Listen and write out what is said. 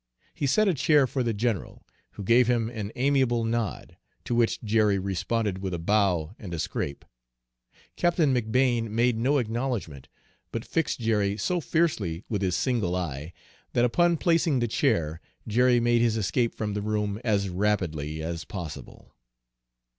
He set a chair for the general, who gave him an amiable nod, to which Jerry responded with a bow and a scrape. Captain McBane made no acknowledgment, but fixed Jerry so fiercely with his single eye that upon placing the chair Jerry made his escape from the room as rapidly as possible.